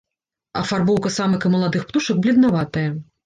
Афарбоўка самак і маладых птушак бледнаватая.